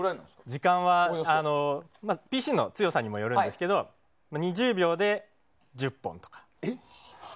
時間はＰＣの強さによりますが２０秒で１０本とか。